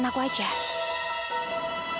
cuma perasaan aku aja